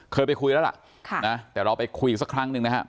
เคยไปคุยแล้วล่ะแต่เราไปคุยอีกสักครั้งหนึ่งนะครับ